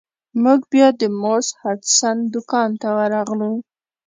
موږ بیا د مورس هډسن دکان ته ورغلو.